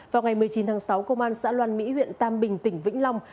vào ngày một mươi chín tháng sáu công an xã loan mỹ huyện tam bình tỉnh vĩnh long